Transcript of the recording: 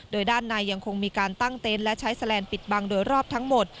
โดยด้านในยังคงมีการตั้งเต็นต์และใช้แลนดปิดบังโดยรอบทั้งหมด